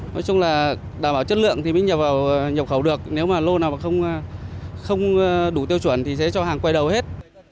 nói chung là đảm bảo chất lượng thì mới nhập vào nhập khẩu được nếu mà lô nào mà không đủ tiêu chuẩn thì sẽ cho hàng quay đầu hết